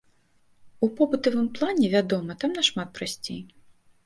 У побытавым плане, вядома, там нашмат прасцей.